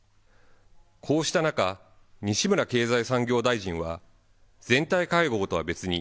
こうした中、西村経済産業大臣は、全体会合とは別に、